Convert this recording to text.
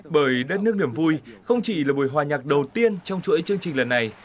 bởi đất nước niềm vui không chỉ là buổi hòa nhạc đầu tiên trong chuỗi chương trình lần này